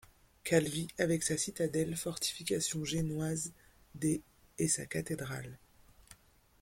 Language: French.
Calvi avec sa citadelle, fortification génoise des et sa cathédrale.